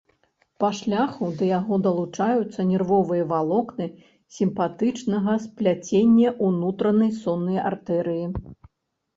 Па шляху да яго далучаюцца нервовыя валокны сімпатычнага спляцення унутранай соннай артэрыі.